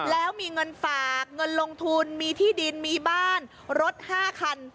แล้วมีเงินฝากเงินลงทุนมีที่ดินมีบ้านรถ๕คัน